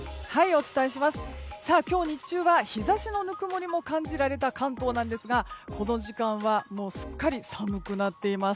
今日、日中は日差しの温もりも感じられた関東なんですがこの時間はすっかり寒くなっています。